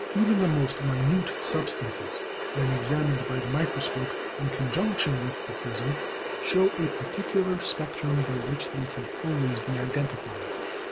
Even the most minute substances, when examined by the micro scope in conjunction with the prism, show a particular spectrum by which they can always be identified.